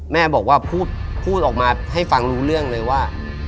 แม่บอกว่าพูดออกมาให้ฟังรู้เรื่องเลยว่า